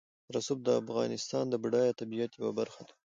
رسوب د افغانستان د بډایه طبیعت یوه برخه ده.